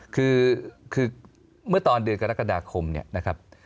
คือเมื่อตอนเดือนกรกฎาคมเนี่ยนะครับ